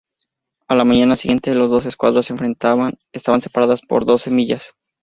A la mañana siguiente las dos escuadras enfrentadas estaban separadas por doce millas.